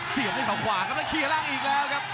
เสียบให้เขาขวากับนักขี้กับร่างอีกแล้วครับ